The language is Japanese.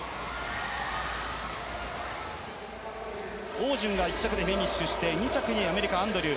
オウジュンが１着でフィニッシュして２着にアメリカ、アンドリュー。